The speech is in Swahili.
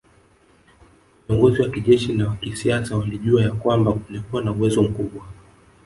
Viongozi wa kijeshi na wa kisiasa walijua ya kwamba kulikuwa na uwezo mkubwa